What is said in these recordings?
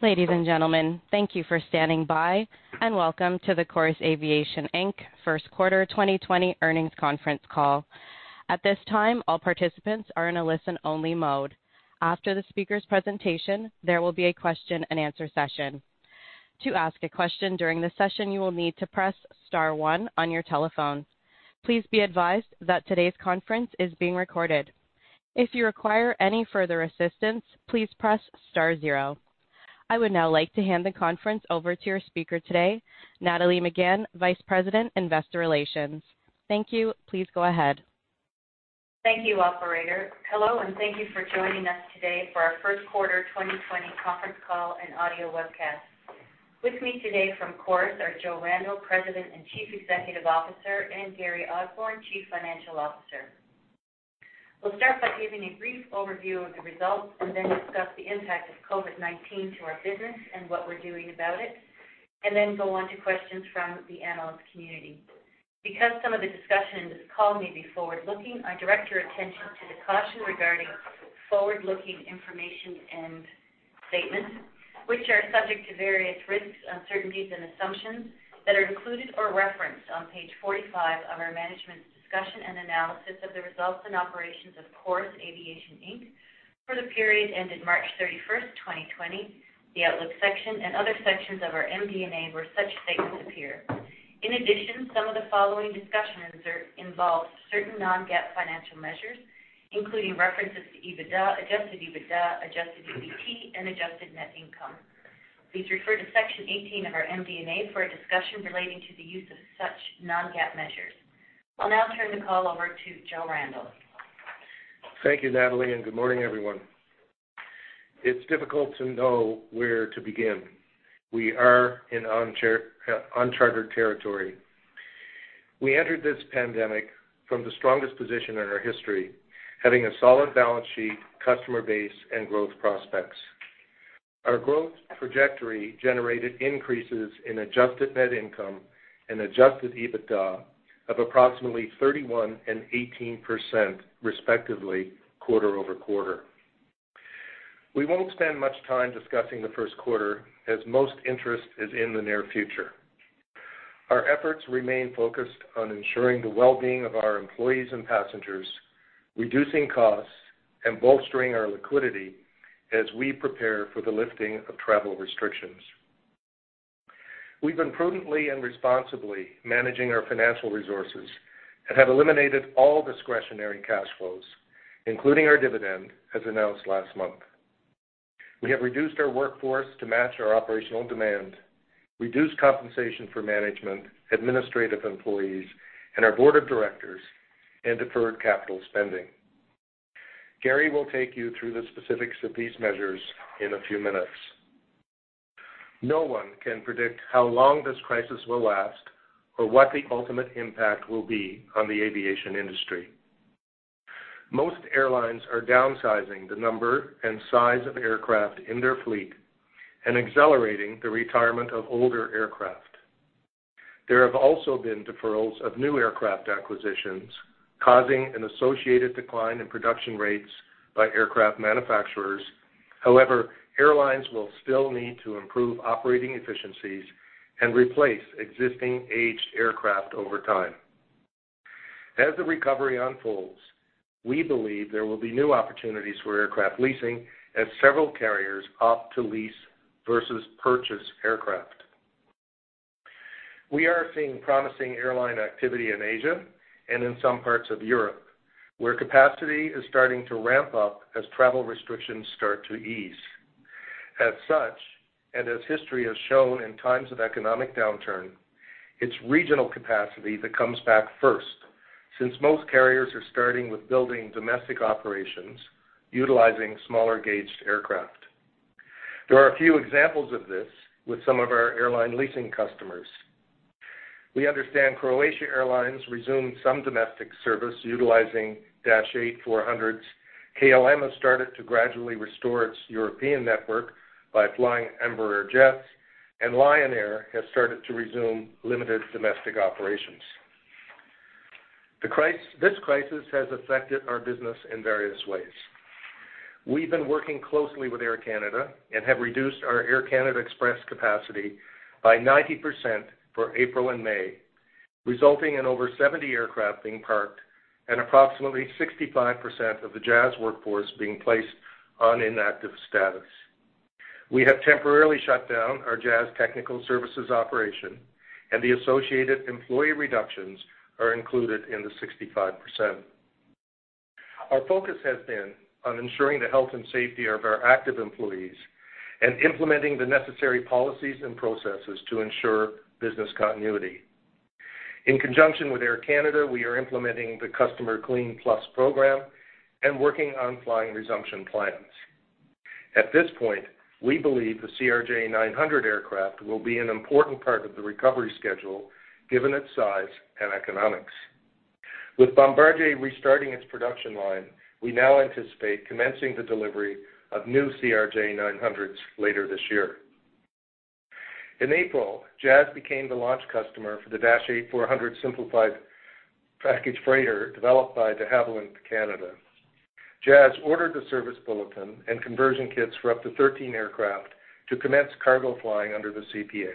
Ladies and gentlemen, thank you for standing by, and welcome to the Chorus Aviation Inc. First Quarter 2020 Earnings Conference Call. At this time, all participants are in a listen-only mode. After the speaker's presentation, there will be a question-and-answer session. To ask a question during the session, you will need to press star one on your telephone. Please be advised that today's conference is being recorded. If you require any further assistance, please press star zero. I would now like to hand the conference over to your speaker today, Nathalie Megann, Vice President, Investor Relations. Thank you. Please go ahead. Thank you, operator. Hello, and thank you for joining us today for our first quarter 2020 conference call and audio webcast. With me today from Chorus are Joseph Randell, President and Chief Executive Officer, and Gary Osborne, Chief Financial Officer. We'll start by giving a brief overview of the results and then discuss the impact of COVID-19 to our business and what we're doing about it, and then go on to questions from the analyst community. Because some of the discussion in this call may be forward-looking, I direct your attention to the caution regarding forward-looking information and statements, which are subject to various risks, uncertainties, and assumptions that are included or referenced on page 45 of our management's discussion and analysis of the results and operations of Chorus Aviation, Inc. For the period ended March 31st, 2020, the outlook section and other sections of our MD&A, where such statements appear. In addition, some of the following discussion will involve certain non-GAAP financial measures, including references to EBITDA, adjusted EBITDA, adjusted EBT, and adjusted net income. Please refer to Section 18 of our MD&A for a discussion relating to the use of such non-GAAP measures. I'll now turn the call over to Joseph Randell. Thank you, Nathalie, and good morning, everyone. It's difficult to know where to begin. We are in uncharted territory. We entered this pandemic from the strongest position in our history, having a solid balance sheet, customer base, and growth prospects. Our growth trajectory generated increases in Adjusted Net Income and Adjusted EBITDA of approximately 31% and 18%, respectively, quarter-over-quarter. We won't spend much time discussing the first quarter, as most interest is in the near future. Our efforts remain focused on ensuring the well-being of our employees and passengers, reducing costs, and bolstering our liquidity as we prepare for the lifting of travel restrictions. We've been prudently and responsibly managing our financial resources and have eliminated all discretionary cash flows, including our dividend, as announced last month. We have reduced our workforce to match our operational demand, reduced compensation for management, administrative employees, and our board of directors, and deferred capital spending. Gary will take you through the specifics of these measures in a few minutes. No one can predict how long this crisis will last or what the ultimate impact will be on the aviation industry. Most airlines are downsizing the number and size of aircraft in their fleet and accelerating the retirement of older aircraft. There have also been deferrals of new aircraft acquisitions, causing an associated decline in production rates by aircraft manufacturers. However, airlines will still need to improve operating efficiencies and replace existing aged aircraft over time. As the recovery unfolds, we believe there will be new opportunities for aircraft leasing as several carriers opt to lease versus purchase aircraft. We are seeing promising airline activity in Asia and in some parts of Europe, where capacity is starting to ramp up as travel restrictions start to ease. As such, and as history has shown in times of economic downturn, it's regional capacity that comes back first, since most carriers are starting with building domestic operations, utilizing smaller gauged aircraft. There are a few examples of this with some of our airline leasing customers. We understand Croatia Airlines resumed some domestic service utilizing Dash 8-400s. KLM has started to gradually restore its European network by flying Embraer jets, and Lion Air has started to resume limited domestic operations. The crisis, this crisis has affected our business in various ways. We've been working closely with Air Canada and have reduced our Air Canada Express capacity by 90% for April and May, resulting in over 70 aircraft being parked and approximately 65% of the Jazz workforce being placed on inactive status. We have temporarily shut down our Jazz technical services operation, and the associated employee reductions are included in the 65%. Our focus has been on ensuring the health and safety of our active employees and implementing the necessary policies and processes to ensure business continuity. In conjunction with Air Canada, we are implementing the Customer Clean Plus program and working on flying resumption plans. At this point, we believe the CRJ-900 aircraft will be an important part of the recovery schedule, given its size and economics. With Bombardier restarting its production line, we now anticipate commencing the delivery of new CRJ-900s later this year. In April, Jazz became the launch customer for the Dash 8-400 Simplified Package Freighter developed by De Havilland Canada. Jazz ordered the service bulletin and conversion kits for up to 13 aircraft to commence cargo flying under the CPA.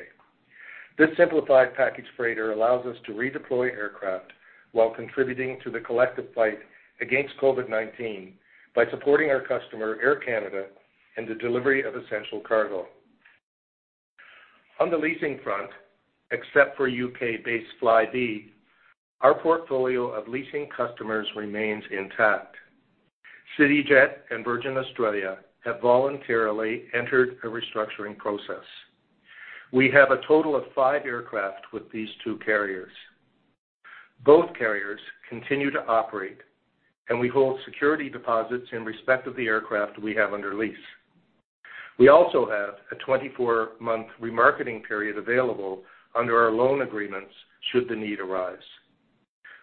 This Simplified Package Freighter allows us to redeploy aircraft while contributing to the collective fight against COVID-19 by supporting our customer, Air Canada, and the delivery of essential cargo. On the leasing front, except for UK-based Flybe, our portfolio of leasing customers remains intact. CityJet and Virgin Australia have voluntarily entered a restructuring process. We have a total of 5 aircraft with these two carriers. Both carriers continue to operate, and we hold security deposits in respect of the aircraft we have under lease. We also have a 24-month remarketing period available under our loan agreements should the need arise.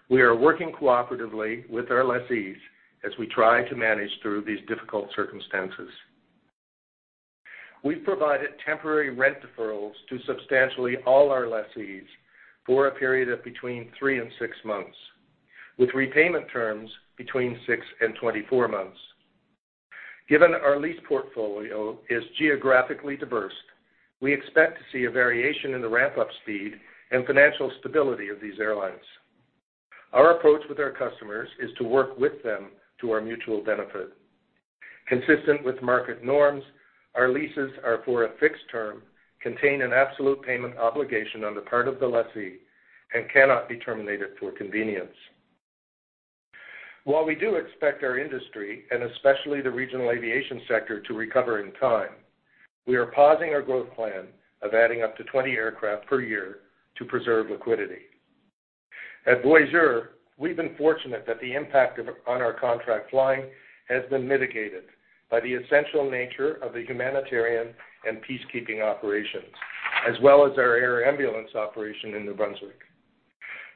We are working cooperatively with our lessees as we try to manage through these difficult circumstances. We've provided temporary rent deferrals to substantially all our lessees for a period of between 3 and 6 months, with repayment terms between 6 and 24 months. Given our lease portfolio is geographically diverse, we expect to see a variation in the ramp-up speed and financial stability of these airlines. Our approach with our customers is to work with them to our mutual benefit. Consistent with market norms, our leases are for a fixed term, contain an absolute payment obligation on the part of the lessee, and cannot be terminated for convenience. While we do expect our industry, and especially the regional aviation sector, to recover in time, we are pausing our growth plan of adding up to 20 aircraft per year to preserve liquidity. At Voyageur, we've been fortunate that the impact of, on our contract flying has been mitigated by the essential nature of the humanitarian and peacekeeping operations, as well as our air ambulance operation in New Brunswick.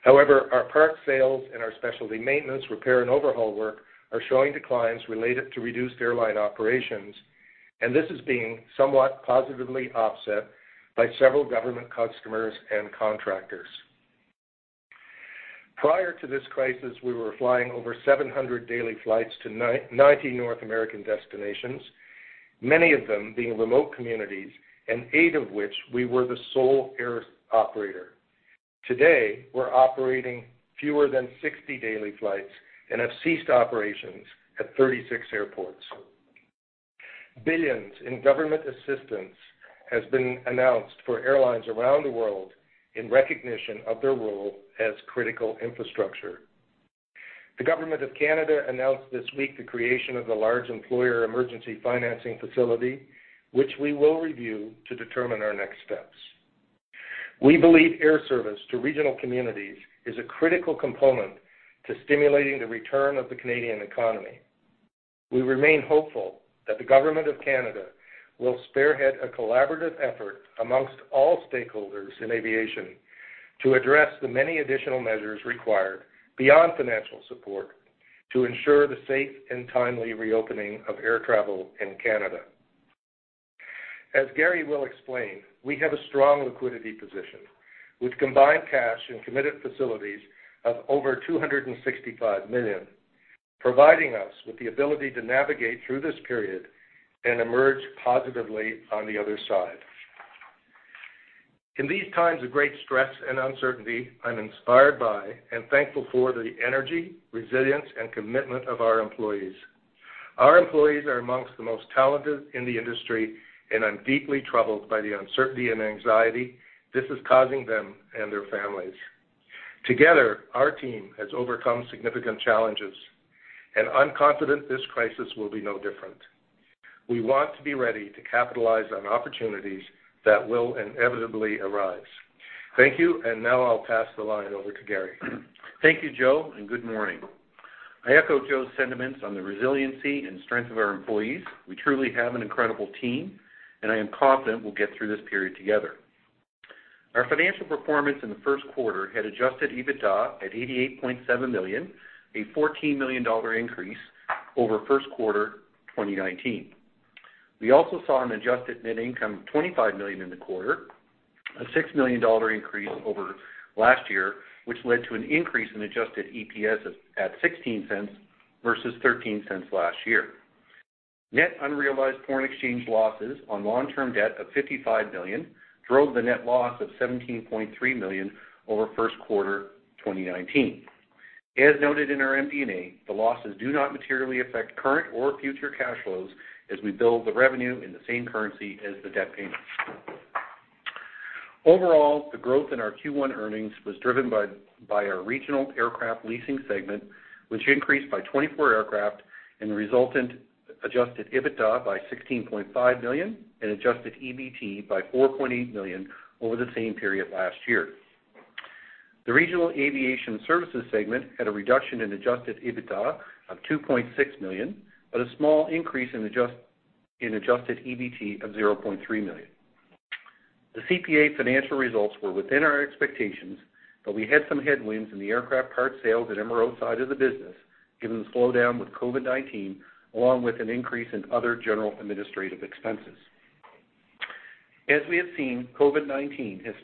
However, our parts sales and our specialty maintenance, repair, and overhaul work are showing declines related to reduced airline operations, and this is being somewhat positively offset by several government customers and contractors. Prior to this crisis, we were flying over 700 daily flights to 90 North American destinations, many of them being remote communities, and eight of which we were the sole air operator. Today, we're operating fewer than 60 daily flights and have ceased operations at 36 airports. Billions in government assistance has been announced for airlines around the world in recognition of their role as critical infrastructure. The Government of Canada announced this week the creation of the Large Employer Emergency Financing Facility, which we will review to determine our next steps. We believe air service to regional communities is a critical component to stimulating the return of the Canadian economy. We remain hopeful that the Government of Canada will spearhead a collaborative effort among all stakeholders in aviation to address the many additional measures required beyond financial support to ensure the safe and timely reopening of air travel in Canada. As Gary will explain, we have a strong liquidity position, with combined cash and committed facilities of over 265 million, providing us with the ability to navigate through this period and emerge positively on the other side. In these times of great stress and uncertainty, I'm inspired by and thankful for the energy, resilience, and commitment of our employees. Our employees are among the most talented in the industry, and I'm deeply troubled by the uncertainty and anxiety this is causing them and their families. Together, our team has overcome significant challenges, and I'm confident this crisis will be no different. We want to be ready to capitalize on opportunities that will inevitably arise. Thank you, and now I'll pass the line over to Gary. Thank you, Joe, and good morning. I echo Joe's sentiments on the resiliency and strength of our employees. We truly have an incredible team, and I am confident we'll get through this period together. Our financial performance in the first quarter had Adjusted EBITDA at 88.7 million, a 14 million dollar increase over first quarter 2019. We also saw an Adjusted Net Income of 25 million in the quarter, a 6 million dollar increase over last year, which led to an increase in Adjusted EPS at 0.16 versus 0.13 last year. Net unrealized foreign exchange losses on long-term debt of 55 million drove the net loss of 17.3 million over first quarter 2019. As noted in our MD&A, the losses do not materially affect current or future cash flows, as we bill the revenue in the same currency as the debt payment. Overall, the growth in our Q1 earnings was driven by our regional aircraft leasing segment, which increased by 24 aircraft and resultant adjusted EBITDA by 16.5 million and adjusted EBT by 4.8 million over the same period last year. The Regional Aviation Services segment had a reduction in adjusted EBITDA of 2.6 million, but a small increase in adjusted EBT of 0.3 million. The CPA financial results were within our expectations, but we had some headwinds in the aircraft parts sales and MRO side of the business, given the slowdown with COVID-19, along with an increase in other general administrative expenses. As we have seen, COVID-19 has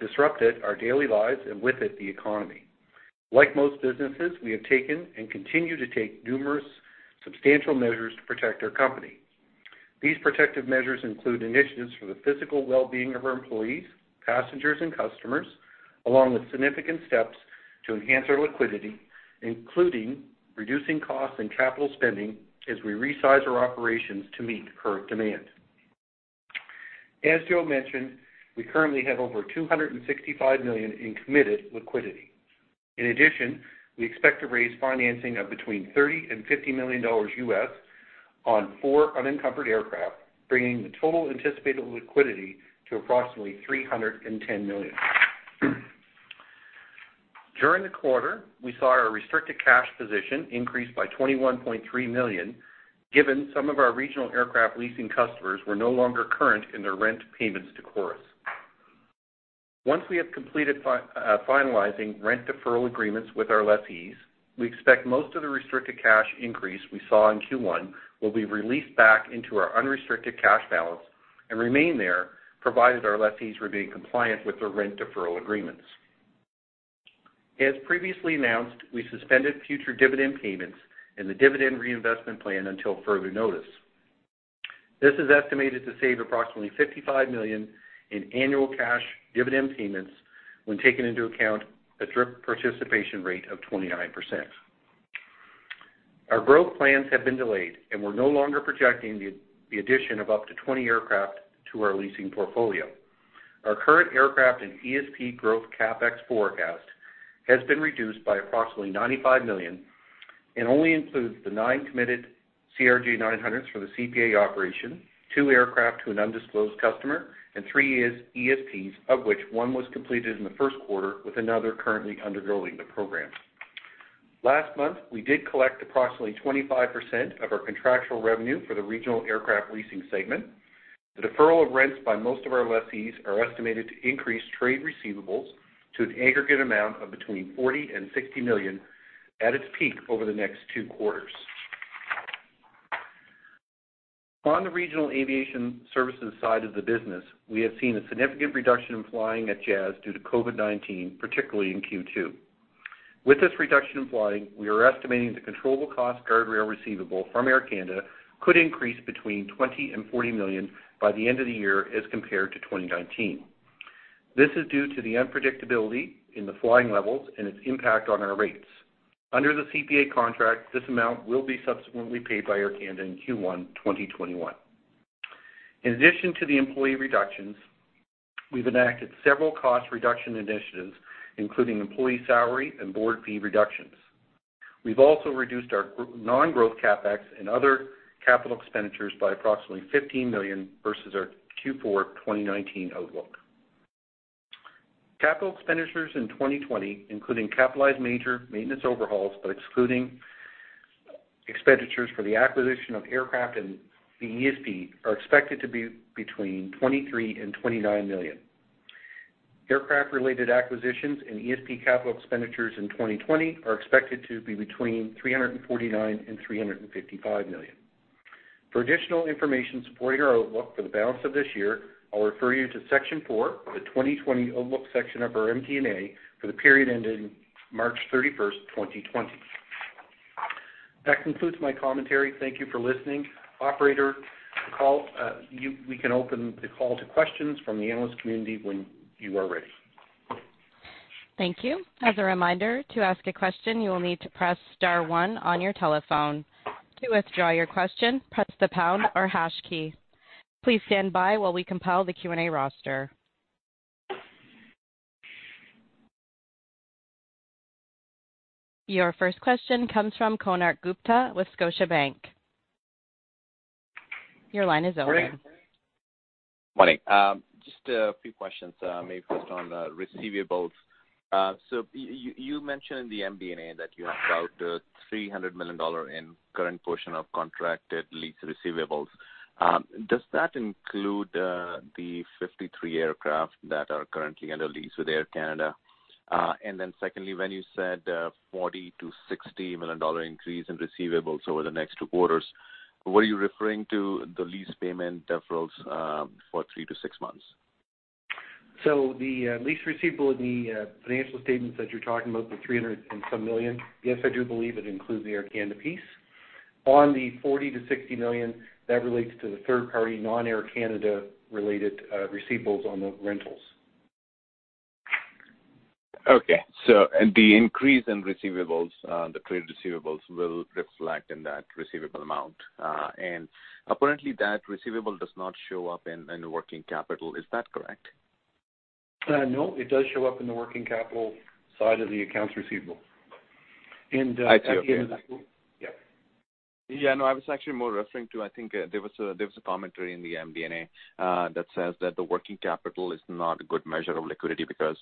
disrupted our daily lives, and with it, the economy. Like most businesses, we have taken and continue to take numerous substantial measures to protect our company. These protective measures include initiatives for the physical well-being of our employees, passengers, and customers, along with significant steps to enhance our liquidity, including reducing costs and capital spending as we resize our operations to meet the current demand. As Joe mentioned, we currently have over 265 million in committed liquidity. In addition, we expect to raise financing of between $30 million and $50 million on 4 unencumbered aircraft, bringing the total anticipated liquidity to approximately 310 million. During the quarter, we saw our restricted cash position increase by 21.3 million, given some of our regional aircraft leasing customers were no longer current in their rent payments to Chorus. Once we have completed finalizing rent deferral agreements with our lessees, we expect most of the restricted cash increase we saw in Q1 will be released back into our unrestricted cash balance and remain there, provided our lessees remain compliant with their rent deferral agreements. As previously announced, we suspended future dividend payments and the dividend reinvestment plan until further notice. This is estimated to save approximately 55 million in annual cash dividend payments when taking into account a DRIP participation rate of 29%. Our growth plans have been delayed, and we're no longer projecting the addition of up to 20 aircraft to our leasing portfolio. Our current aircraft and ESP growth CapEx forecast has been reduced by approximately 95 million and only includes the 9 committed CRJ-900s for the CPA operation, 2 aircraft to an undisclosed customer, and 3 ESPs, of which 1 was completed in the first quarter, with another currently undergoing the program. Last month, we did collect approximately 25% of our contractual revenue for the regional aircraft leasing segment. The deferral of rents by most of our lessees are estimated to increase trade receivables to an aggregate amount of between 40 million and 60 million at its peak over the next two quarters. On the regional aviation services side of the business, we have seen a significant reduction in flying at Jazz due to COVID-19, particularly in Q2. With this reduction in flying, we are estimating the controllable cost guardrail receivable from Air Canada could increase between 20 million and 40 million by the end of the year as compared to 2019. This is due to the unpredictability in the flying levels and its impact on our rates. Under the CPA contract, this amount will be subsequently paid by Air Canada in Q1 2021. In addition to the employee reductions, we've enacted several cost reduction initiatives, including employee salary and board fee reductions. We've also reduced our non-growth CapEx and other capital expenditures by approximately 15 million versus our Q4 2019 outlook. Capital expenditures in 2020, including capitalized major maintenance overhauls, but excluding expenditures for the acquisition of aircraft and the ESP, are expected to be between 23 million and 29 million. Aircraft-related acquisitions and ESP capital expenditures in 2020 are expected to be between 349 million and 355 million. For additional information supporting our outlook for the balance of this year, I'll refer you to Section four, the 2020 Outlook section of our MD&A for the period ending March 31st, 2020. That concludes my commentary. Thank you for listening. Operator, the call, we can open the call to questions from the analyst community when you are ready. Thank you. As a reminder, to ask a question, you will need to press star one on your telephone. To withdraw your question, press the pound or hash key. Please stand by while we compile the Q&A roster. Your first question comes from Konark Gupta with Scotiabank. Your line is open. Morning. Morning. Just a few questions. Maybe first on the receivables. So you mentioned in the MD&A that you have about $300 million in current portion of contracted lease receivables. Does that include the 53 aircraft that are currently under lease with Air Canada? And then secondly, when you said $40 million-$60 million increase in receivables over the next two quarters, were you referring to the lease payment deferrals for 3-6 months? The lease receivable in the financial statements that you're talking about, the 300 million and some, yes, I do believe it includes the Air Canada piece. On the 40-60 million, that relates to the third-party, non-Air Canada-related receivables on the rentals. Okay. So, the increase in receivables, the trade receivables will reflect in that receivable amount. And apparently, that receivable does not show up in the working capital. Is that correct? No, it does show up in the working capital side of the accounts receivable. And, at the end of the I see, okay. Yeah. Yeah, no, I was actually more referring to... I think there was a commentary in the MD&A that says that the working capital is not a good measure of liquidity because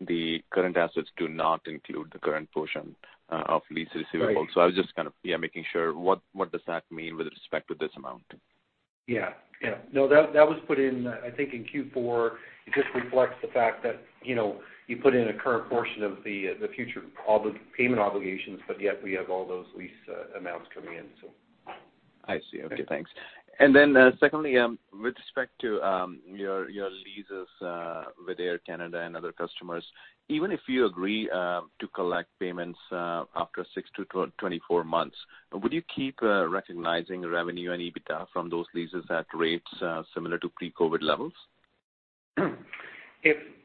the current assets do not include the current portion of lease receivables. Right. So I was just kind of, yeah, making sure what, what does that mean with respect to this amount? Yeah, yeah. No, that, that was put in, I think, in Q4. It just reflects the fact that, you know, you put in a current portion of the future payment obligations, but yet we have all those lease amounts coming in, so. I see. Okay. Okay, thanks. Then, secondly, with respect to your leases with Air Canada and other customers, even if you agree to collect payments after 6-24 months, would you keep recognizing revenue and EBITDA from those leases at rates similar to pre-COVID levels?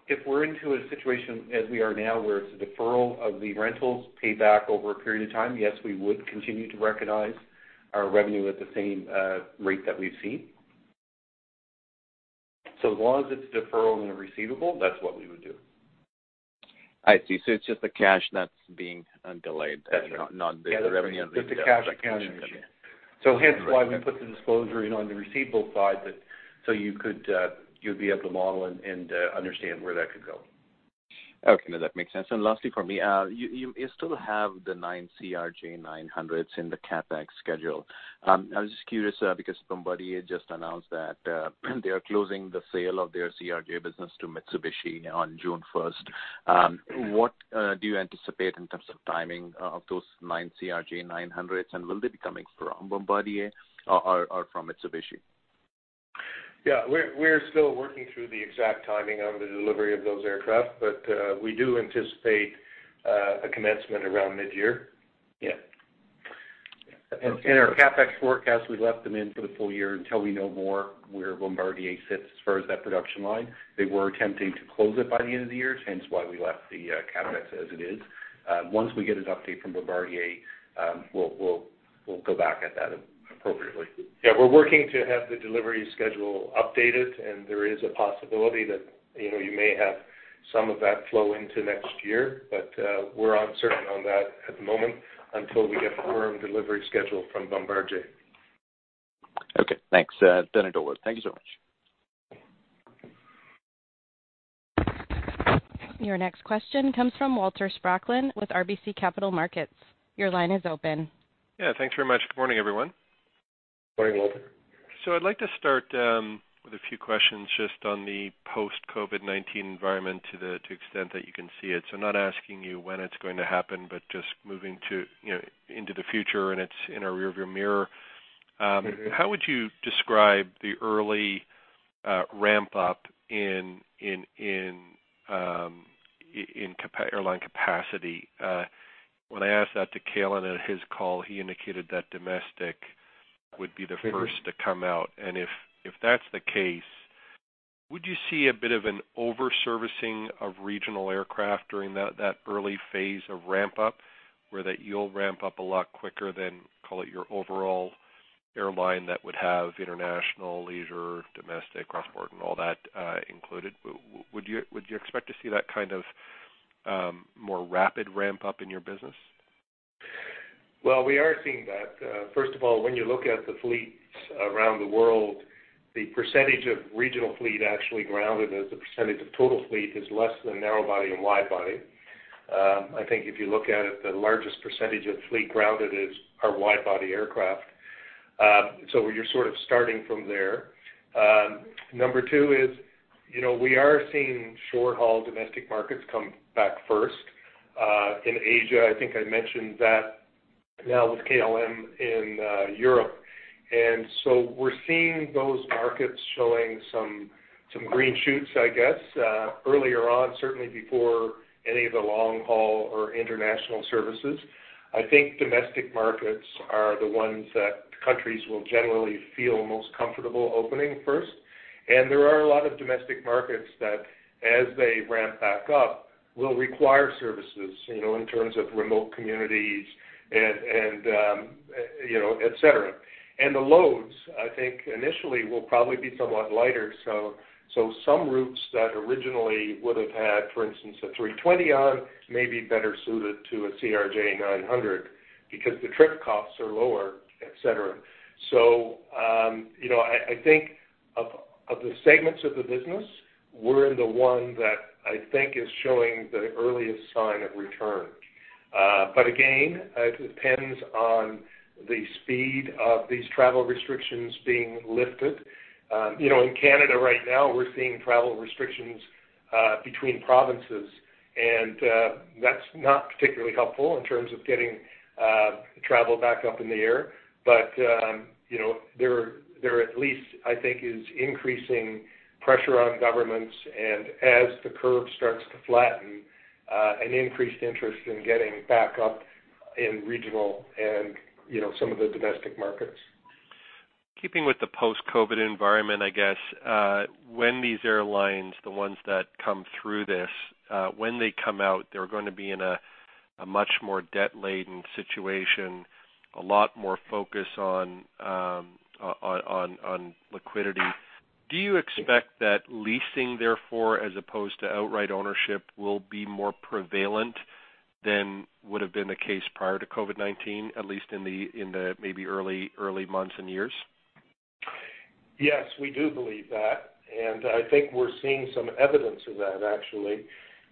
If we're into a situation as we are now, where it's a deferral of the rentals paid back over a period of time, yes, we would continue to recognize our revenue at the same rate that we've seen. So as long as it's a deferral and a receivable, that's what we would do. I see. So it's just the cash that's being delayed That's right Not the revenue, Just the cash accounting machine. Okay. So hence why we put the disclosure in on the receivable side, that so you could, you'd be able to model and understand where that could go. Okay, no, that makes sense. And lastly for me, you still have the nine CRJ-900s in the CapEx schedule. I was just curious, because Bombardier just announced that they are closing the sale of their CRJ business to Mitsubishi on June 1st. What do you anticipate in terms of timing of those nine CRJ-900s, and will they be coming from Bombardier or from Mitsubishi? Yeah, we're still working through the exact timing on the delivery of those aircraft, but we do anticipate a commencement around mid-year. Yeah. Our CapEx forecast, we left them in for the full year until we know more where Bombardier sits as far as that production line. They were attempting to close it by the end of the year, hence why we left the CapEx as it is. Once we get an update from Bombardier, we'll go back at that appropriately. Yeah, we're working to have the delivery schedule updated, and there is a possibility that, you know, you may have some of that flow into next year. But we're uncertain on that at the moment until we get a firm delivery schedule from Bombardier. Okay, thanks. Randell and Joseph, thank you so much. Your next question comes from Walter Spracklin with RBC Capital Markets. Your line is open. Yeah, thanks very much. Good morning, everyone. Morning, Walter. So I'd like to start with a few questions just on the post-COVID-19 environment to the extent that you can see it. So not asking you when it's going to happen, but just moving to, you know, into the future, and it's in our rearview mirror. Mm-hmm. How would you describe the early ramp up in airline capacity? When I asked that to Calin on his call, he indicated that domestic would be the first- Mm-hmm To come out. And if that's the case, would you see a bit of an over-servicing of regional aircraft during that early phase of ramp up, where you'll ramp up a lot quicker than, call it, your overall airline that would have international, leisure, domestic, cross-border, and all that included? Would you expect to see that kind of more rapid ramp up in your business? Well, we are seeing that. First of all, when you look at the fleets around the world, the percentage of regional fleet actually grounded as a percentage of total fleet is less than narrow body and wide body. I think if you look at it, the largest percentage of fleet grounded is our wide body aircraft. So you're sort of starting from there. Number two is, you know, we are seeing short-haul domestic markets come back first, in Asia, I think I mentioned that, now with KLM in, Europe. And so we're seeing those markets showing some green shoots, I guess, earlier on, certainly before any of the long haul or international services. I think domestic markets are the ones that countries will generally feel most comfortable opening first. There are a lot of domestic markets that, as they ramp back up, will require services, you know, in terms of remote communities and, you know, et cetera. The loads, I think, initially, will probably be somewhat lighter. Some routes that originally would have had, for instance, an A320 on, may be better suited to a CRJ-900 because the trip costs are lower, et cetera. So, you know, I think of the segments of the business, we're in the one that I think is showing the earliest sign of return. But again, it depends on the speed of these travel restrictions being lifted. You know, in Canada right now, we're seeing travel restrictions between provinces, and that's not particularly helpful in terms of getting travel back up in the air. But, you know, there, there are at least, I think, is increasing pressure on governments, and as the curve starts to flatten, an increased interest in getting back up in regional and, you know, some of the domestic markets. Keeping with the post-COVID environment, I guess, when these airlines, the ones that come through this, when they come out, they're going to be in a much more debt-laden situation, a lot more focus on liquidity. Do you expect that leasing, therefore, as opposed to outright ownership, will be more prevalent than would have been the case prior to COVID-19, at least in the maybe early, early months and years? Yes, we do believe that, and I think we're seeing some evidence of that, actually.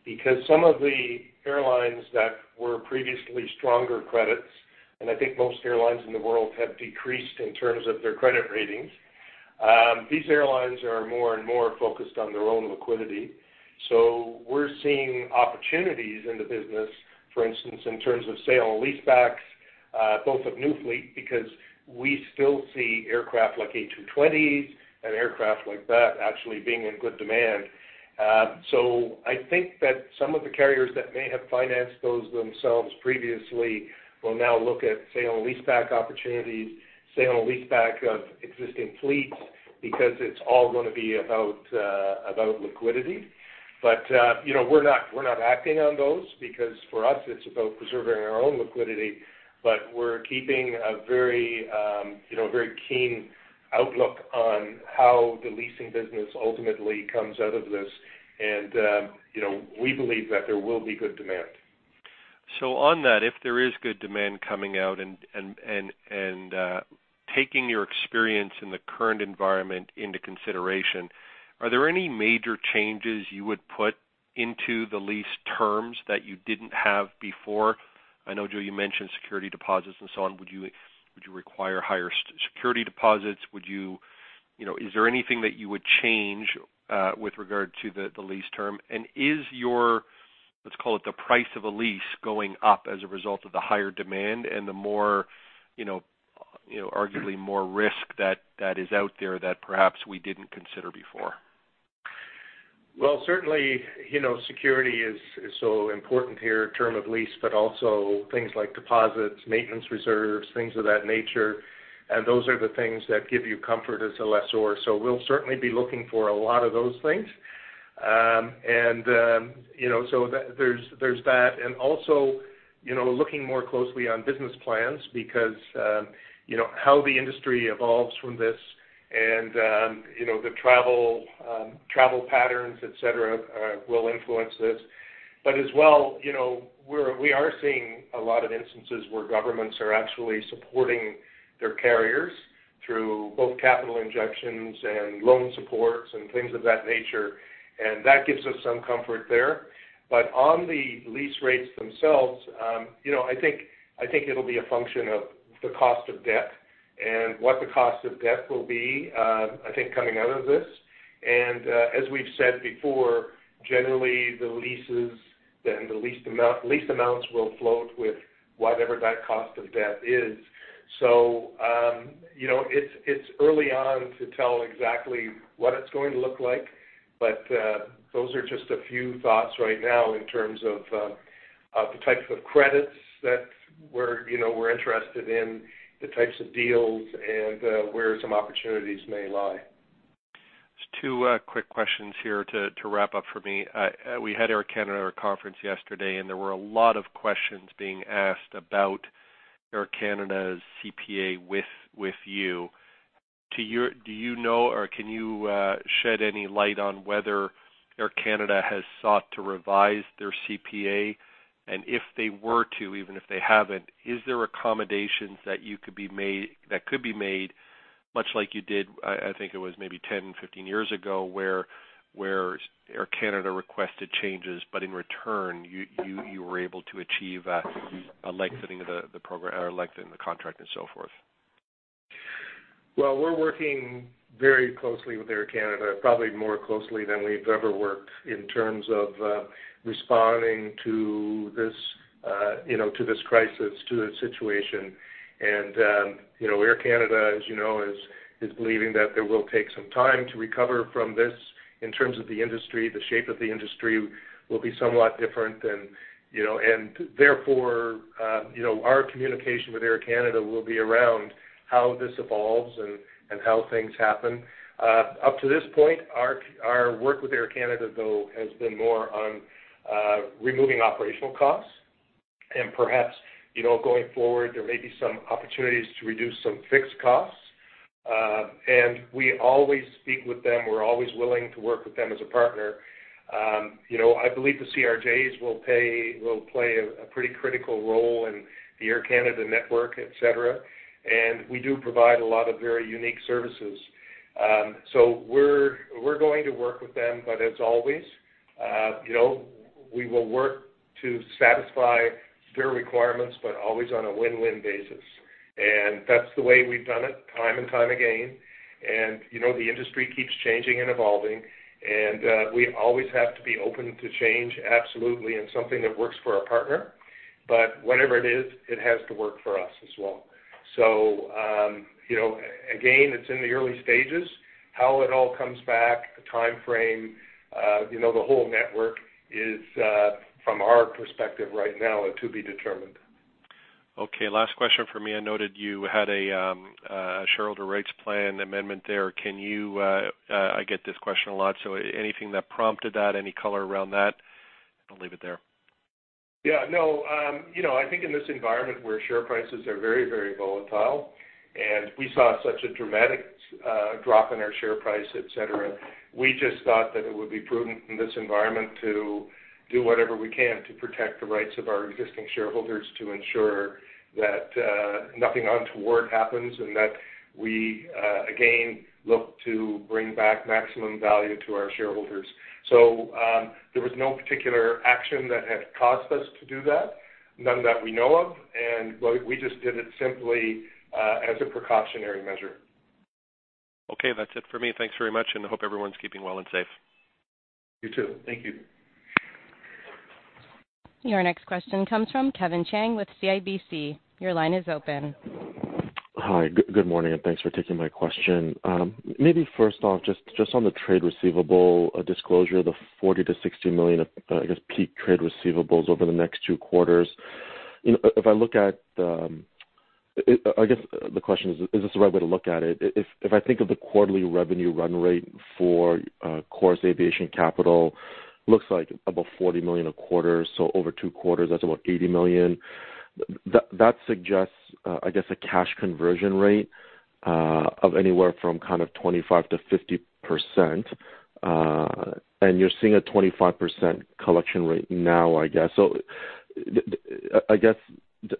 Because some of the airlines that were previously stronger credits, and I think most airlines in the world have decreased in terms of their credit ratings. These airlines are more and more focused on their own liquidity. So we're seeing opportunities in the business, for instance, in terms of sale and lease backs, both of new fleet, because we still see aircraft like A220s and aircraft like that actually being in good demand. So I think that some of the carriers that may have financed those themselves previously will now look at sale and lease back opportunities, sale and lease back of existing fleets, because it's all going to be about, about liquidity. But, you know, we're not, we're not acting on those because for us, it's about preserving our own liquidity, but we're keeping a very, you know, very keen outlook on how the leasing business ultimately comes out of this. And, you know, we believe that there will be good demand. So on that, if there is good demand coming out, taking your experience in the current environment into consideration, are there any major changes you would put into the lease terms that you didn't have before? I know, Joe, you mentioned security deposits and so on. Would you require higher security deposits? You know, is there anything that you would change with regard to the lease term? And is your, let's call it the price of a lease, going up as a result of the higher demand and the more, you know, arguably more risk that is out there that perhaps we didn't consider before? Well, certainly, you know, security is so important here, term of lease, but also things like deposits, maintenance reserves, things of that nature. And those are the things that give you comfort as a lessor. So we'll certainly be looking for a lot of those things. You know, so there's that, and also, you know, looking more closely on business plans because, you know, how the industry evolves from this and, you know, the travel patterns, et cetera, will influence this. But as well, you know, we are seeing a lot of instances where governments are actually supporting their carriers through both capital injections and loan supports and things of that nature, and that gives us some comfort there. But on the lease rates themselves, you know, I think, I think it'll be a function of the cost of debt and what the cost of debt will be, I think, coming out of this. And as we've said before, generally, the leases, then the lease amount- lease amounts will float with whatever that cost of debt is. So, you know, it's early on to tell exactly what it's going to look like, but those are just a few thoughts right now in terms of the types of credits that we're, you know, we're interested in, the types of deals, and where some opportunities may lie. Just two quick questions here to wrap up for me. We had Air Canada at our conference yesterday, and there were a lot of questions being asked about Air Canada's CPA with you. Do you know, or can you shed any light on whether Air Canada has sought to revise their CPA? And if they were to, even if they haven't, is there accommodations that could be made, much like you did, I think it was maybe 10, 15 years ago, where Air Canada requested changes, but in return, you were able to achieve a lengthening of the program, or a lengthening of the contract and so forth? Well, we're working very closely with Air Canada, probably more closely than we've ever worked in terms of, responding to this, you know, to this crisis, to this situation. You know, Air Canada, as you know, is, is believing that it will take some time to recover from this in terms of the industry, the shape of the industry will be somewhat different than... You know, and therefore, you know, our communication with Air Canada will be around how this evolves and, and how things happen. Up to this point, our, our work with Air Canada, though, has been more on, removing operational costs, and perhaps, you know, going forward, there may be some opportunities to reduce some fixed costs. We always speak with them. We're always willing to work with them as a partner. You know, I believe the CRJs will play a pretty critical role in the Air Canada network, et cetera, and we do provide a lot of very unique services. So we're going to work with them, but as always, you know, we will work to satisfy their requirements, but always on a win-win basis. And that's the way we've done it time and time again. And, you know, the industry keeps changing and evolving, and we always have to be open to change, absolutely, and something that works for our partner. But whatever it is, it has to work for us as well. So, you know, again, it's in the early stages. How it all comes back, the time frame, you know, the whole network is, from our perspective right now, to be determined. Okay, last question for me. I noted you had a shareholder rights plan amendment there. Can you... I get this question a lot, so anything that prompted that, any color around that? I'll leave it there. Yeah, no, you know, I think in this environment where share prices are very, very volatile, and we saw such a dramatic drop in our share price, et cetera, we just thought that it would be prudent in this environment to do whatever we can to protect the rights of our existing shareholders, to ensure that nothing untoward happens, and that we again look to bring back maximum value to our shareholders. So, there was no particular action that had caused us to do that, none that we know of, and we, we just did it simply as a precautionary measure. Okay, that's it for me. Thanks very much, and I hope everyone's keeping well and safe. You, too. Thank you. Your next question comes from Kevin Chiang with CIBC. Your line is open. Hi, good morning, and thanks for taking my question. Maybe first off, just, just on the trade receivable disclosure, the 40 million-60 million of, I guess, peak trade receivables over the next two quarters. You know, if I look at, I guess the question is, is this the right way to look at it? If, if I think of the quarterly revenue run rate for, Chorus Aviation Capital, looks like about 40 million a quarter, so over two quarters, that's about 80 million. That suggests, I guess, a cash conversion rate, of anywhere from kind of 25%-50%, and you're seeing a 25% collection rate now, I guess. So, I guess,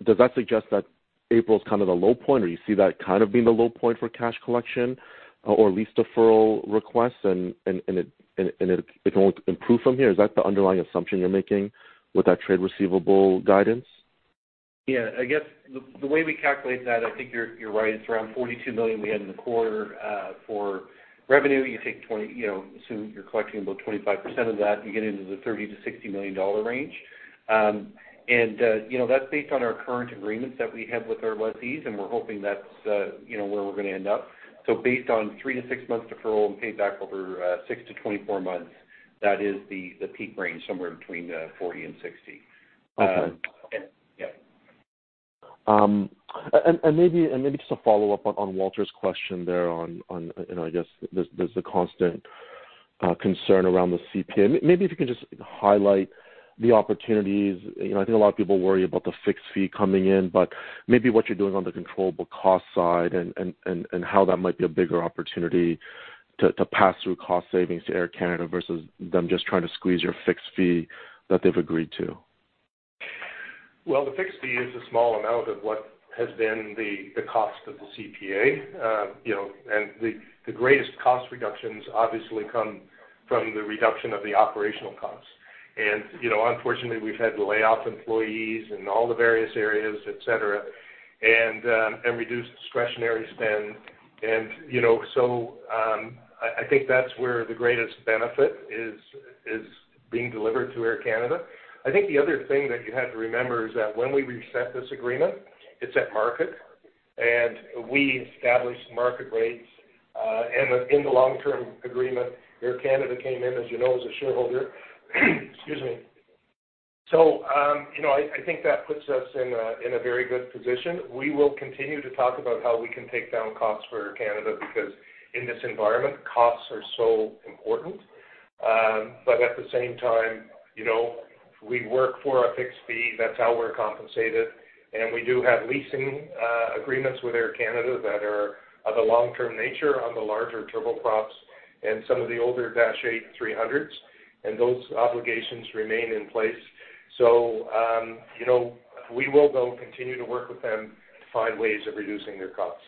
does that suggest that April's kind of the low point, or you see that kind of being the low point for cash collection, or lease deferral requests, and it won't improve from here? Is that the underlying assumption you're making with that trade receivable guidance? Yeah, I guess the way we calculate that, I think you're right. It's around 42 million we had in the quarter for revenue. You take 20, you know, assume you're collecting about 25% of that, you get into the 30 million-60 million dollar range. And you know, that's based on our current agreements that we have with our lessees, and we're hoping that's you know, where we're gonna end up. So based on 3-6 months deferral and payback over 6-24 months, that is the peak range, somewhere between 40 and 60. Okay. Yeah. And maybe just a follow-up on Walter's question there on, you know, I guess there's the constant concern around the CPA. Maybe if you can just highlight the opportunities. You know, I think a lot of people worry about the fixed fee coming in, but maybe what you're doing on the controllable cost side and how that might be a bigger opportunity to pass through cost savings to Air Canada versus them just trying to squeeze your fixed fee that they've agreed to. Well, the fixed fee is a small amount of what has been the cost of the CPA. You know, and the greatest cost reductions obviously come from the reduction of the operational costs. And, you know, unfortunately, we've had to lay off employees in all the various areas, et cetera, and reduce discretionary spend. And, you know, so I think that's where the greatest benefit is being delivered to Air Canada. I think the other thing that you have to remember is that when we reset this agreement, it's at market, and we established market rates. And in the long-term agreement, Air Canada came in, as you know, as a shareholder. Excuse me. So, you know, I think that puts us in a very good position. We will continue to talk about how we can take down costs for Air Canada, because in this environment, costs are so important. But at the same time, you know, we work for a fixed fee. That's how we're compensated, and we do have leasing agreements with Air Canada that are of a long-term nature on the larger turboprops and some of the older Dash 8-300s, and those obligations remain in place. So, you know, we will though continue to work with them to find ways of reducing their costs.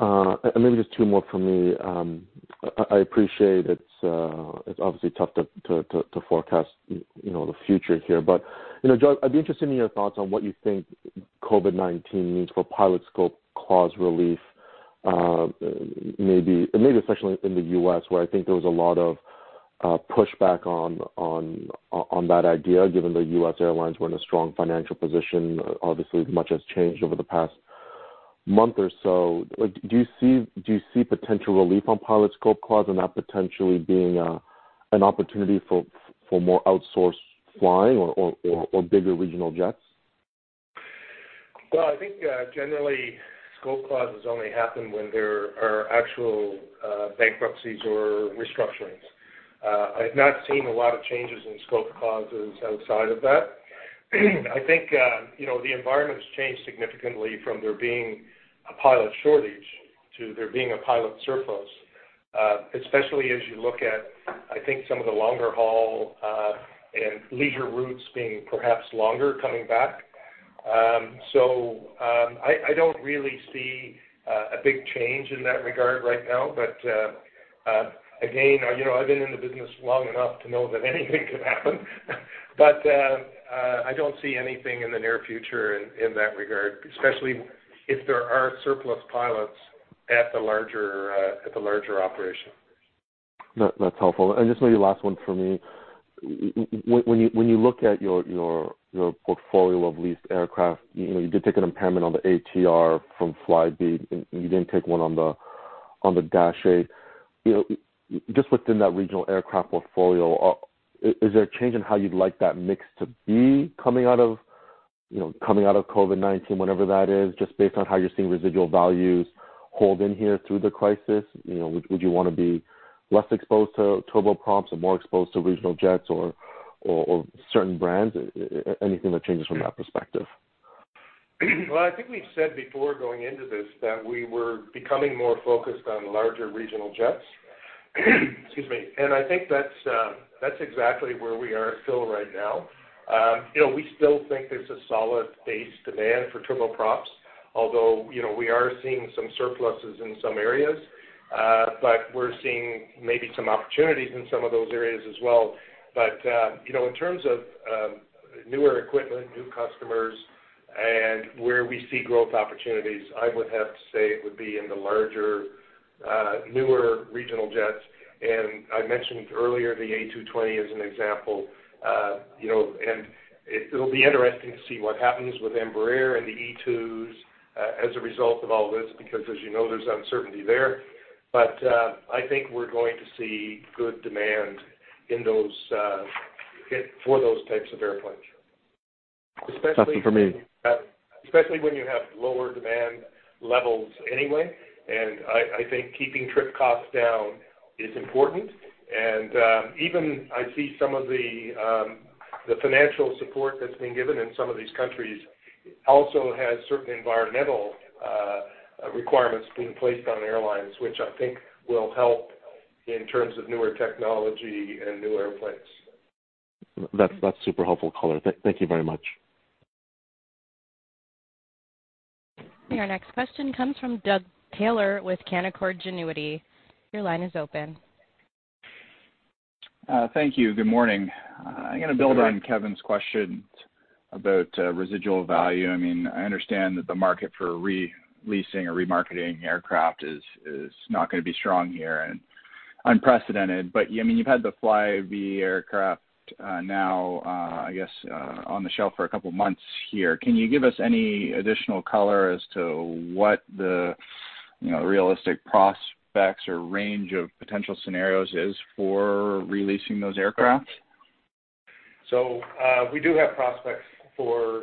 And maybe just two more for me. I appreciate it's obviously tough to forecast, you know, the future here. But, you know, Joe, I'd be interested in your thoughts on what you think COVID-19 means for pilot Scope Clause relief, maybe, and maybe especially in the U.S., where I think there was a lot of pushback on that idea, given the U.S. airlines were in a strong financial position. Obviously, much has changed over the past month or so. Like, do you see potential relief on pilot Scope Clause and that potentially being an opportunity for more outsourced flying or bigger regional jets? Well, I think, generally, scope clauses only happen when there are actual bankruptcies or restructurings. I've not seen a lot of changes in scope clauses outside of that. I think, you know, the environment's changed significantly from there being a pilot shortage to there being a pilot surplus, especially as you look at, I think, some of the longer haul and leisure routes being perhaps longer coming back. So, I don't really see a big change in that regard right now, but, again, you know, I've been in the business long enough to know that anything can happen. But, I don't see anything in the near future in that regard, especially if there are surplus pilots at the larger operations. That, that's helpful. And just maybe last one for me. When you look at your portfolio of leased aircraft, you know, you did take an impairment on the ATR from Flybe, and you didn't take one on the Dash 8. You know, just within that regional aircraft portfolio, is there a change in how you'd like that mix to be coming out of, you know, coming out of COVID-19, whenever that is, just based on how you're seeing residual values hold in here through the crisis? You know, would you wanna be less exposed to turboprops or more exposed to regional jets or certain brands? Anything that changes from that perspective? Well, I think we've said before going into this, that we were becoming more focused on larger regional jets. Excuse me. And I think that's, that's exactly where we are still right now. You know, we still think there's a solid base demand for turboprops, although, you know, we are seeing some surpluses in some areas. But we're seeing maybe some opportunities in some of those areas as well. But, you know, in terms of, newer equipment, new customers and where we see growth opportunities, I would have to say it would be in the larger, newer regional jets. And I mentioned earlier the A220 as an example. You know, and it, it'll be interesting to see what happens with Embraer and the E2s, as a result of all this, because as you know, there's uncertainty there. I think we're going to see good demand in those, for those types of airplanes. That's it for me. Especially when you have lower demand levels anyway. I think keeping trip costs down is important. Even I see some of the financial support that's been given in some of these countries also has certain environmental requirements being placed on airlines, which I think will help in terms of newer technology and new airplanes. That's super helpful color. Thank you very much. Our next question comes from Doug Taylor with Canaccord Genuity. Your line is open. Thank you. Good morning. Good morning. I'm gonna build on Kevin's question about residual value. I mean, I understand that the market for re-leasing or remarketing aircraft is not gonna be strong here and unprecedented. But, I mean, you've had the Flybe aircraft, now, I guess, on the shelf for a couple of months here. Can you give us any additional color as to what the, you know, realistic prospects or range of potential scenarios is for re-leasing those aircraft? So, we do have prospects for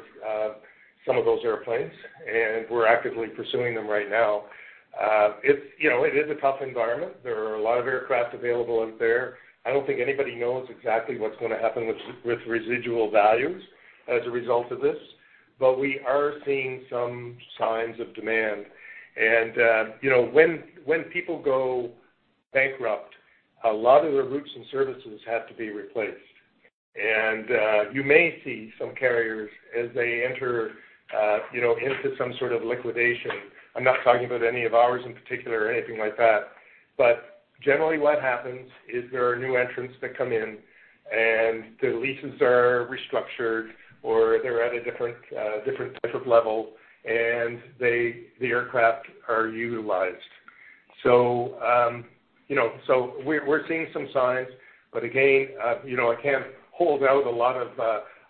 some of those airplanes, and we're actively pursuing them right now. It's, you know, it is a tough environment. There are a lot of aircraft available out there. I don't think anybody knows exactly what's gonna happen with residual values as a result of this, but we are seeing some signs of demand. And, you know, when people go bankrupt, a lot of their routes and services have to be replaced. And, you may see some carriers as they enter, you know, into some sort of liquidation. I'm not talking about any of ours in particular or anything like that, but generally, what happens is there are new entrants that come in and the leases are restructured or they're at a different, different type of level, and the aircraft are utilized. So, you know, so we're seeing some signs, but again, you know, I can't hold out a lot of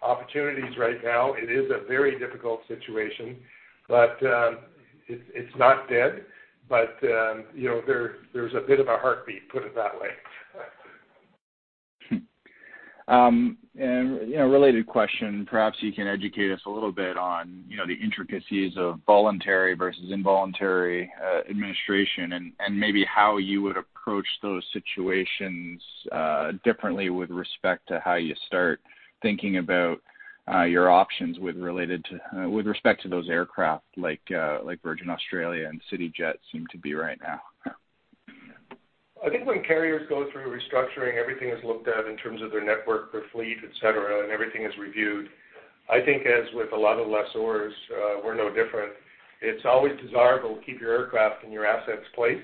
opportunities right now. It is a very difficult situation, but it's not dead, but you know, there's a bit of a heartbeat, put it that way. You know, a related question, perhaps you can educate us a little bit on, you know, the intricacies of voluntary versus involuntary administration, and maybe how you would approach those situations differently with respect to how you start thinking about your options with respect to those aircraft, like Virgin Australia and CityJet seem to be right now? I think when carriers go through restructuring, everything is looked at in terms of their network, their fleet, et cetera, and everything is reviewed. I think, as with a lot of lessors, we're no different, it's always desirable to keep your aircraft and your assets placed.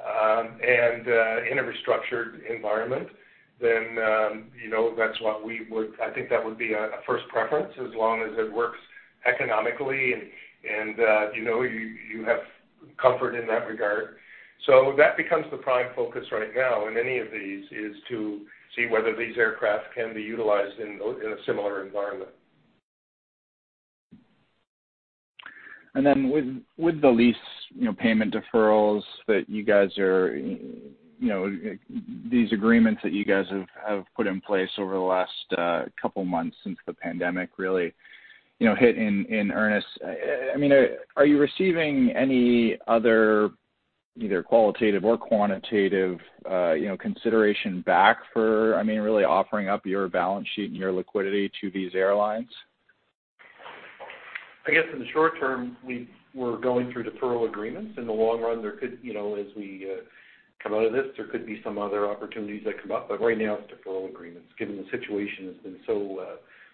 In a restructured environment, then, you know, that's what we would. I think that would be a first preference, as long as it works economically and, you know, you have comfort in that regard. So that becomes the prime focus right now in any of these, is to see whether these aircraft can be utilized in a similar environment. And then with the lease, you know, payment deferrals that you guys are, you know, these agreements that you guys have put in place over the last couple months since the pandemic really, you know, hit in earnest. I mean, are you receiving any other, either qualitative or quantitative, you know, consideration back for, I mean, really offering up your balance sheet and your liquidity to these airlines? I guess in the short term, we're going through deferral agreements. In the long run, there could, you know, as we come out of this, there could be some other opportunities that come up, but right now, it's deferral agreements, given the situation has been so,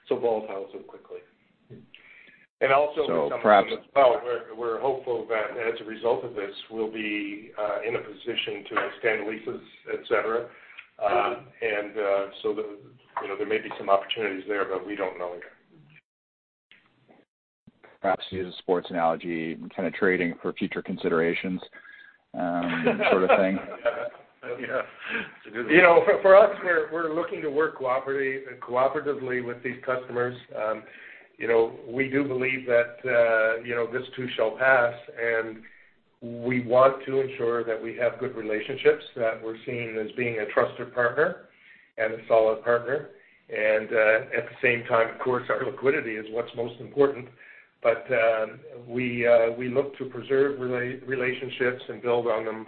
so volatile so quickly. So perhaps- And also, we're hopeful that as a result of this, we'll be in a position to extend leases, et cetera. Uh- You know, there may be some opportunities there, but we don't know yet. Perhaps to use a sports analogy, kind of trading for future considerations, sort of thing. Yeah. You know, for us, we're looking to work cooperatively with these customers. You know, we do believe that you know, this too shall pass, and we want to ensure that we have good relationships, that we're seen as being a trusted partner and a solid partner. And at the same time, of course, our liquidity is what's most important. But we look to preserve relationships and build on them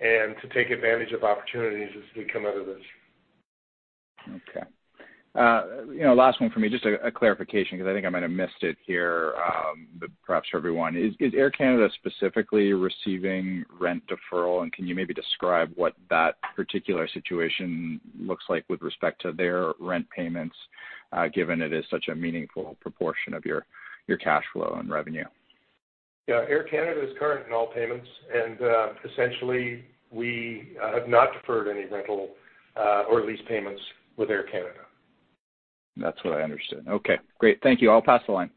and to take advantage of opportunities as we come out of this. Okay. You know, last one for me, just a clarification, because I think I might have missed it here, but perhaps for everyone. Is Air Canada specifically receiving rent deferral? And can you maybe describe what that particular situation looks like with respect to their rent payments, given it is such a meaningful proportion of your cash flow and revenue? Yeah, Air Canada is current in all payments, and essentially, we have not deferred any rental or lease payments with Air Canada. That's what I understood. Okay, great. Thank you. I'll pass the line.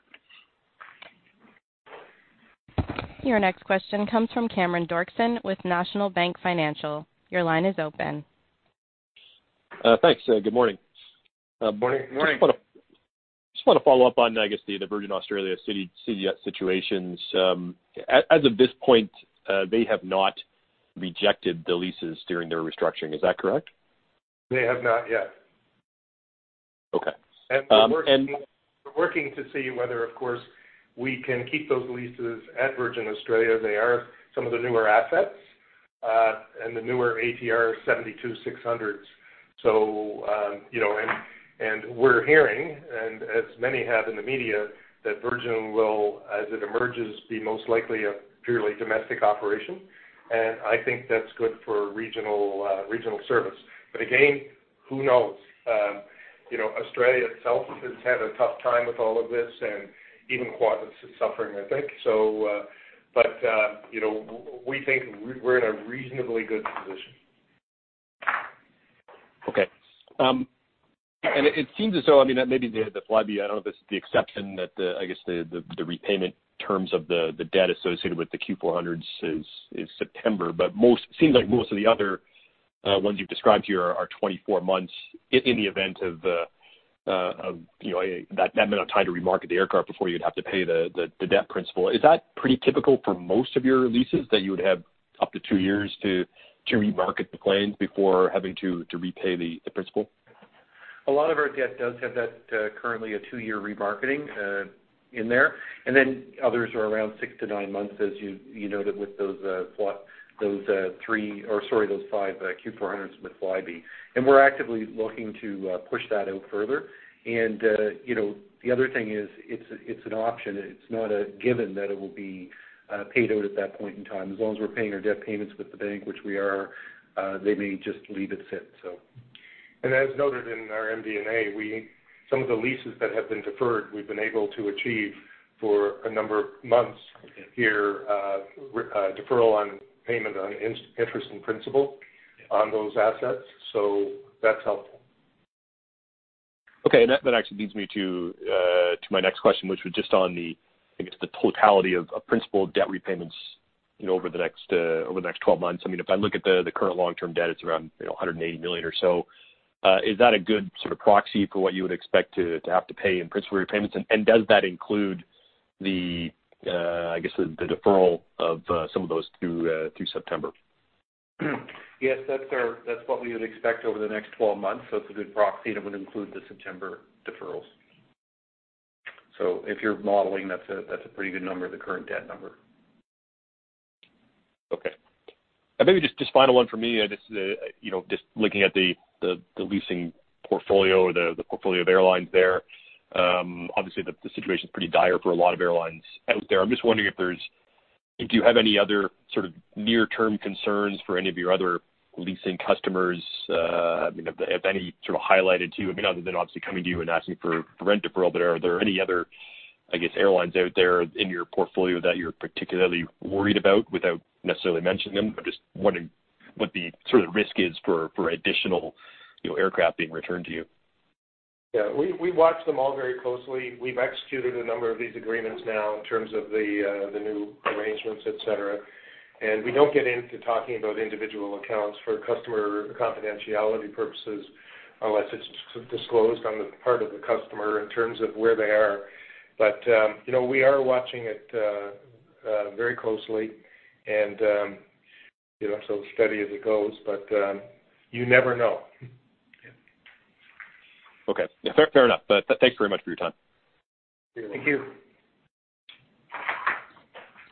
Your next question comes from Cameron Doerksen with National Bank Financial. Your line is open. Thanks, sir. Good morning. Morning, morning. Just want to follow up on, I guess, the Virgin Australia CityJet situations. As of this point, they have not rejected the leases during their restructuring. Is that correct? They have not yet. Okay. We're working, we're working to see whether, of course, we can keep those leases at Virgin Australia. They are some of the newer assets, and the newer ATR 72-600s. So, you know, and we're hearing, and as many have in the media, that Virgin will, as it emerges, be most likely a purely domestic operation. And I think that's good for regional, regional service. But again, who knows? You know, Australia itself has had a tough time with all of this, and even Qantas is suffering, I think. So, but, you know, we think we're, we're in a reasonably good position. Okay. And it seems as though, I mean, that may be the Flybe. I don't know if it's the exception that the, I guess, the repayment terms of the debt associated with the Q400s is September. But seems like most of the other ones you've described here are 24 months in the event of, you know, that amount of time to remarket the aircraft before you'd have to pay the debt principal. Is that pretty typical for most of your leases, that you would have up to two years to remarket the planes before having to repay the principal? A lot of our debt does have that, currently a two-year remarketing in there, and then others are around six to nine months, as you noted with those five Q400s with Flybe. And we're actively looking to push that out further. And, you know, the other thing is, it's an option. It's not a given that it will be paid out at that point in time. As long as we're paying our debt payments with the bank, which we are, they may just leave it sit, so. As noted in our MD&A, some of the leases that have been deferred, we've been able to achieve for a number of months here, deferral on payment on interest and principal on those assets. So that's helpful. Okay, and that actually leads me to my next question, which was just on the, I guess, the totality of principal debt repayments, you know, over the next 12 months. I mean, if I look at the current long-term debt, it's around, you know, 180 million or so. Is that a good sort of proxy for what you would expect to have to pay in principal repayments? And does that include the, I guess, the deferral of some of those through September? Yes, that's what we would expect over the next 12 months. It's a good proxy, and it would include the September deferrals. So if you're modeling, that's a pretty good number, the current debt number. Okay. And maybe just final one for me. Just you know, just looking at the leasing portfolio or the portfolio of airlines there, obviously, the situation is pretty dire for a lot of airlines out there. I'm just wondering if there's- do you have any other sort of near-term concerns for any of your other leasing customers? I mean, if any sort of highlighted to you, I mean, other than obviously coming to you and asking for rent deferral, but are there any other, I guess, airlines out there in your portfolio that you're particularly worried about without necessarily mentioning them? I'm just wondering what the sort of risk is for additional, you know, aircraft being returned to you. Yeah, we watch them all very closely. We've executed a number of these agreements now in terms of the new arrangements, et cetera. And we don't get into talking about individual accounts for customer confidentiality purposes, unless it's disclosed on the part of the customer in terms of where they are. But, you know, we are watching it very closely, and, you know, so steady as it goes, but, you never know. Okay. Fair, fair enough. But thanks very much for your time. Thank you.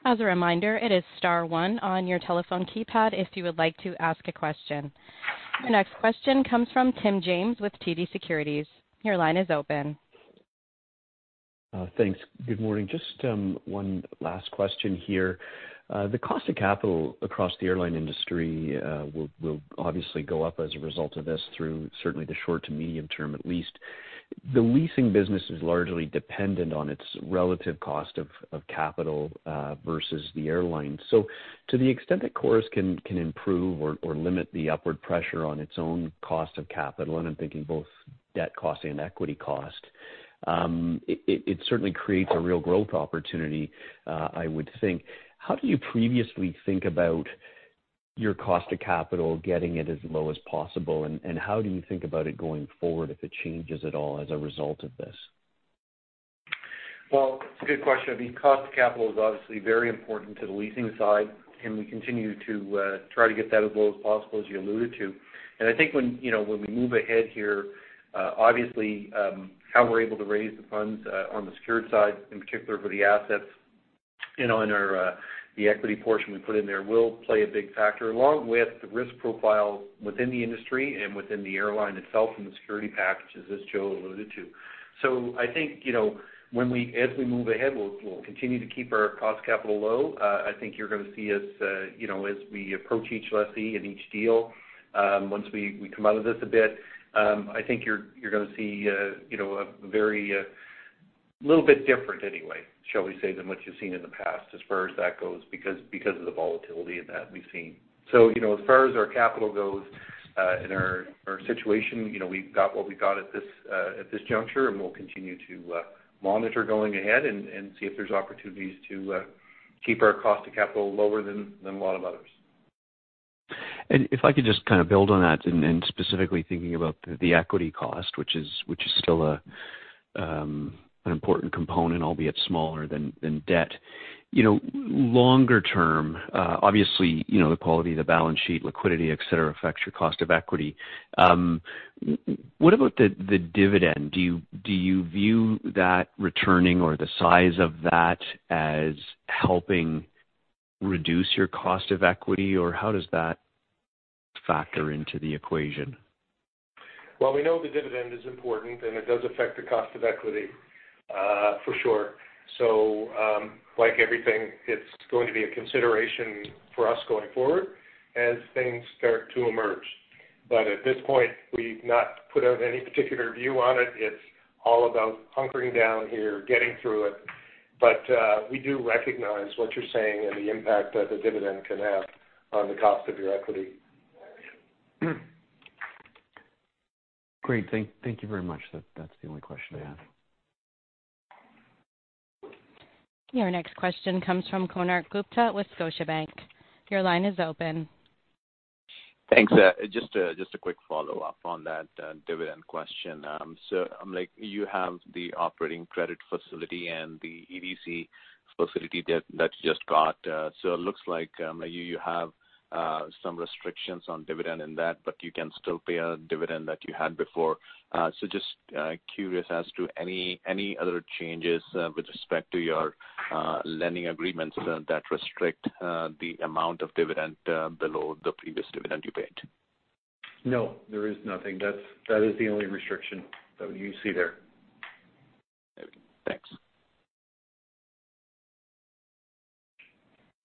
As a reminder, it is star one on your telephone keypad if you would like to ask a question. The next question comes from Tim James with TD Securities. Your line is open. Thanks. Good morning. Just one last question here. The cost of capital across the airline industry will obviously go up as a result of this through certainly the short to medium term, at least. The leasing business is largely dependent on its relative cost of capital versus the airline. So to the extent that Chorus can improve or limit the upward pressure on its own cost of capital, and I'm thinking both debt cost and equity cost, it certainly creates a real growth opportunity, I would think. How do you previously think about your cost of capital, getting it as low as possible? And how do you think about it going forward if it changes at all as a result of this? Well, it's a good question. I mean, cost of capital is obviously very important to the leasing side, and we continue to try to get that as low as possible, as you alluded to. And I think when, you know, when we move ahead here, obviously, how we're able to raise the funds on the secured side, in particular for the assets, you know, in our the equity portion we put in there, will play a big factor, along with the risk profile within the industry and within the airline itself and the security packages, as Joe alluded to. So I think, you know, as we move ahead, we'll continue to keep our cost capital low. I think you're going to see us, you know, as we approach each lessee and each deal, once we come out of this a bit, I think you're going to see, you know, a very diverse- little bit different anyway, shall we say, than what you've seen in the past as far as that goes, because of the volatility that we've seen. So, you know, as far as our capital goes, in our situation, you know, we've got what we got at this juncture, and we'll continue to monitor going ahead and see if there's opportunities to keep our cost of capital lower than a lot of others. And if I could just kind of build on that and specifically thinking about the equity cost, which is still a an important component, albeit smaller than debt. You know, longer term, obviously, you know, the quality of the balance sheet, liquidity, et cetera, affects your cost of equity. What about the dividend? Do you view that returning or the size of that as helping reduce your cost of equity, or how does that factor into the equation? Well, we know the dividend is important, and it does affect the cost of equity, for sure. So, like everything, it's going to be a consideration for us going forward as things start to emerge. But at this point, we've not put out any particular view on it. It's all about hunkering down here, getting through it. But, we do recognize what you're saying and the impact that the dividend can have on the cost of your equity. Great. Thank you very much. That's the only question I had. Your next question comes from Konark Gupta with Scotiabank. Your line is open. Thanks. Just a quick follow-up on that dividend question. So, like you have the operating credit facility and the EDC facility that you just got. So it looks like you have some restrictions on dividend in that, but you can still pay a dividend that you had before. So just curious as to any other changes with respect to your lending agreements that restrict the amount of dividend below the previous dividend you paid? No, there is nothing. That is the only restriction that you see there. Okay, thanks.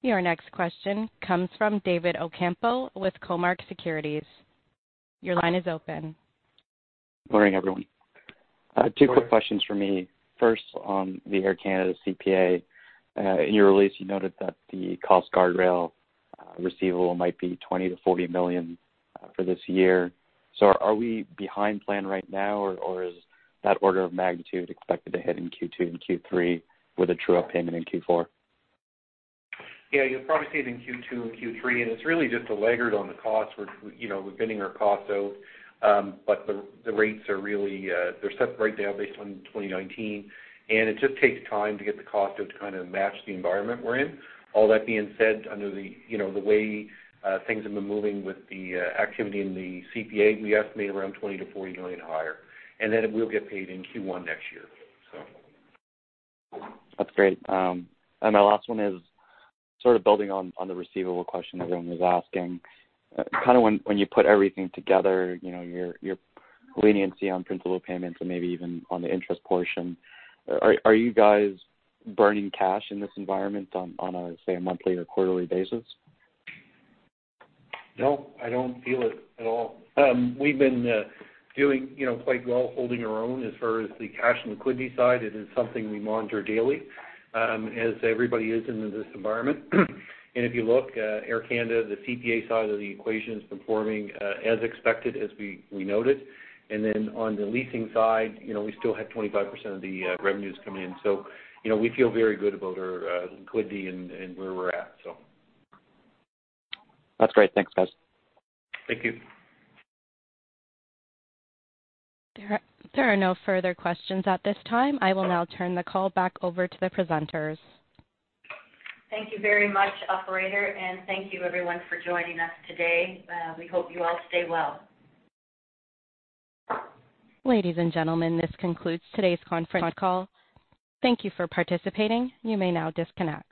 Your next question comes from David Ocampo with Cormark Securities. Your line is open. Morning, everyone. Morning. Two quick questions for me. First, on the Air Canada CPA. In your release, you noted that the cost guardrail receivable might be 20 million-40 million for this year. So are we behind plan right now, or is that order of magnitude expected to hit in Q2 and Q3 with a true-up payment in Q4? Yeah, you'll probably see it in Q2 and Q3, and it's really just a laggard on the cost. We're, you know, we're bidding our costs out, but the rates are really, they're set right now based on 2019, and it just takes time to get the cost out to kind of match the environment we're in. All that being said, under the, you know, the way things have been moving with the activity in the CPA, we estimate around 20-40 million higher, and then it will get paid in Q1 next year, so. That's great. And my last one is sort of building on the receivable question everyone was asking. Kind of when you put everything together, you know, your leniency on principal payments and maybe even on the interest portion, are you guys burning cash in this environment on a, say, monthly or quarterly basis? No, I don't feel it at all. We've been doing, you know, quite well, holding our own as far as the cash and liquidity side. It is something we monitor daily, as everybody is in this environment. And if you look, Air Canada, the CPA side of the equation is performing as expected, as we, we noted. And then on the leasing side, you know, we still have 25% of the revenues coming in. So, you know, we feel very good about our liquidity and where we're at, so. That's great. Thanks, guys. Thank you. There are no further questions at this time. I will now turn the call back over to the presenters. Thank you very much, operator, and thank you everyone for joining us today. We hope you all stay well. Ladies and gentlemen, this concludes today's conference call. Thank you for participating. You may now disconnect.